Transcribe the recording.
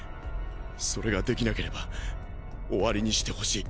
それができなければ終わりにしてほしい。